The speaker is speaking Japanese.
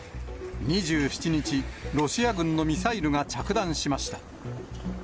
２７日、ロシア軍のミサイルが着弾しました。